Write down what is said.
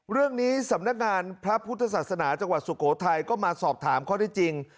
สำนักงานพระพุทธศาสนาจังหวัดสุโขทัยก็มาสอบถามข้อได้จริง